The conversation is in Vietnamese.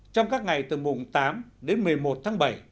trong các ngày từ mùng tám đến một mươi một tháng bảy